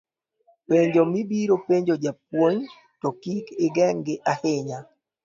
penjo mibiro penjo japuonj, to kik igengi ahinya